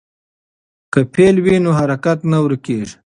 که فعل وي نو حرکت نه ورکېږي.